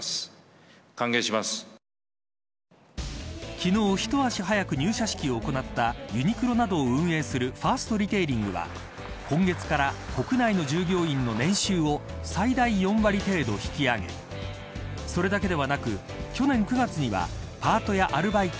昨日、一足早く入社式を行ったユニクロなどを運営するファーストリテイリングは今月から国内の従業員の年収を最大４割程度引き上げそれだけではなく、去年９月にはパートやアルバイト